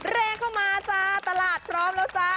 เลขเข้ามาจ้าตลาดพร้อมแล้วจ้า